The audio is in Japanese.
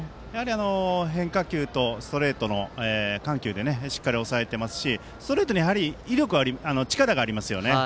変化球とストレートの緩急でしっかり抑えていますしストレートに力がありますよね。